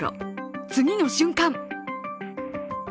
次の瞬間